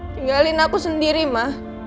tinggalin aku sendiri ma